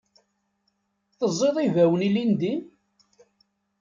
Teẓẓiḍ ibawen ilindi?